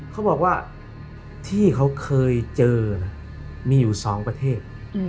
เขาบอกว่าที่เขาเคยเจอนะมีอยู่๒ประเทศ